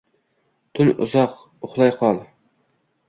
Tun uzoq, uxlay kol